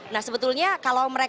nah sebetulnya kalau mereka